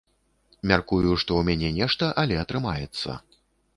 Мяркую, што ў мяне нешта, але атрымаецца.